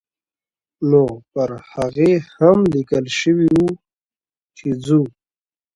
نو پر هغې هم لیکل شوي وو چې ځو.